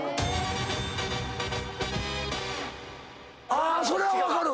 あそれは分かる。